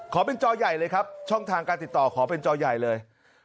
ขอเป็นจอใหญ่เลยครับช่องทางการติดต่อขอเป็นจอใหญ่เลย